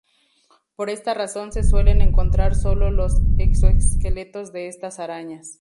Por esta razón se suelen encontrar solo los exoesqueletos de estas arañas.